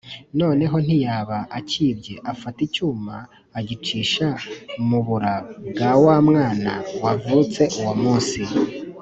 Noneho ntiyaba akibye, afata icyuma, agicisha mu bura bwa wa mwana wavutse uwo munsi.